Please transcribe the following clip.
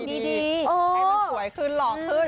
ดีให้มันสวยขึ้นหล่อขึ้น